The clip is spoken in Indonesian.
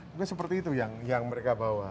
mungkin seperti itu yang mereka bawa